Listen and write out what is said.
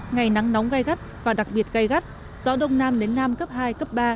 ngày nắng nóng gai gắt và đặc biệt gây gắt gió đông nam đến nam cấp hai cấp ba